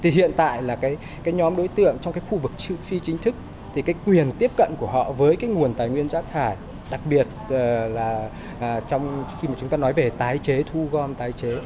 hiện tại là nhóm đối tượng trong khu vực phi chính thức thì quyền tiếp cận của họ với nguồn tài nguyên rác thải đặc biệt là trong khi chúng ta nói về tái chế thu gom tái chế